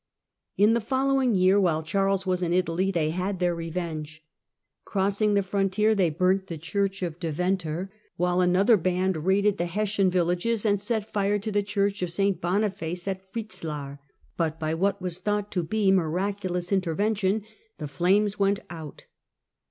In the following year, while Charles was in Italy, they had their revenge. Crossing the frontier they burnt the Church of Deventer, while another band raided the Hessian villages and set fire to the Church of St. Boniface at Fritzlar, but, by what was thought to be miraculous intervention, the flames went out.